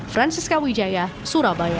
francisca wijaya surabaya